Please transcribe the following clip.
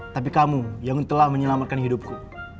tapi kamu yang telah menyelamatkan hidupku